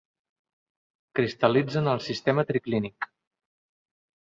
Cristal·litza en el sistema triclínic.